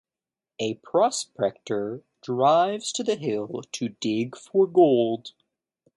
A prospector drives to the hills to dig for gold.